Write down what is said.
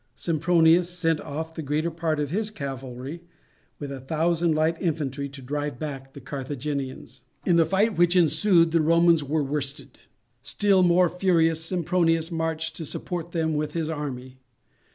Sempronius sent off the greater part of his cavalry, with a thousand light infantry, to drive back the Carthaginians. In the fight which ensued the Romans were worsted. Still more furious, Sempronius marched to support them with his army.